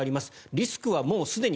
リスクはもうすでに